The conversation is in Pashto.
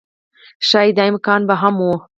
ښايي دا امکان به هم و